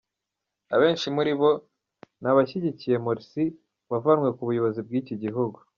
Abenshi muri bo ni abashyigikiye Morsi wavanwe ku buyobozi bw’iki gihugu.